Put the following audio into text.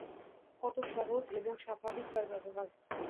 কত সহজ এবং স্বাভাবিক তার ব্যবহার!